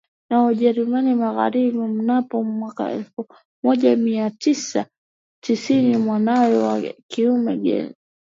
na Ujerumani Magharibi mnamo mwkaa elfu moja mia tisa tisiniMwanawe wa kiume George